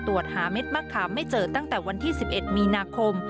ตรวจหาเม็ดมะขามไม่เจอตั้งแต่วันที่๑๑มีนาคม